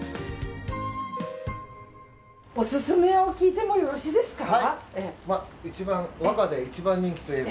オススメを聞いてもよろしいですか。